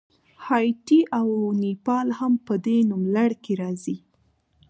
هایټي او نیپال هم په دې نوملړ کې راځي.